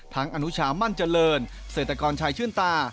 ทั้งอนุชามั่นเจริญเสธกรชัยชื่นตา